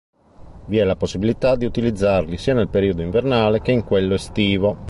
Vi è la possibilità di utilizzarli sia nel periodo invernale che in quello estivo.